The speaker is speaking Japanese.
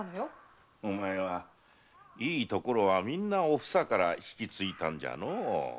お前はいいところはみんなおふさから引き継いだんじゃのう。